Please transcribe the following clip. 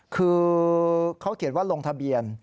คือเขาเขียนว่าลงทะเบียน